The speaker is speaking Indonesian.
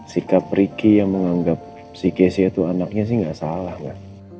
sikap riki yang menganggap si kc itu anaknya sih gak salah mak